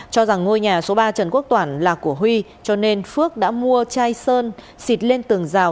cho rằng ngôi nhà số ba trần quốc toản là của huy cho nên phước đã mua chai sơn xịt lên tường rào